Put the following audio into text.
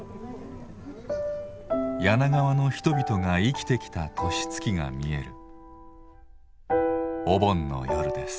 柳川の人々が生きてきた年月が見えるお盆の夜です。